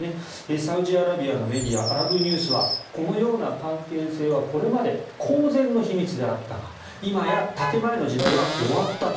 サウジアラビアのメディアアラブニュースはこのような関係性はこれまで公然の秘密であったが今や建前の時代は終わったと。